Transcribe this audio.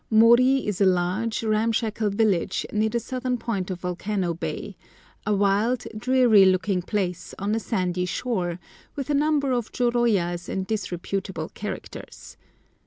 Mori is a large, ramshackle village, near the southern point of Volcano Bay—a wild, dreary looking place on a sandy shore, with a number of jôrôyas and disreputable characters.